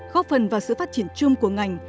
góp phần vào sự phát triển chung của ngành